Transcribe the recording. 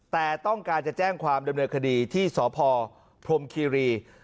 แต่ต้องการจะแจ้งความดำเนินคดีที่สพพรมคีรี